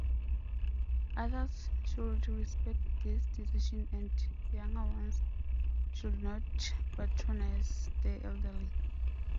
Others should respect this decision and younger ones should not patronize the elderly.